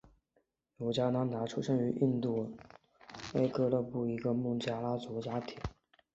尤迦南达出生于印度戈勒克布尔一个孟加拉族家庭。